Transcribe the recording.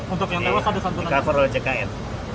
untuk yang tewas ada santunan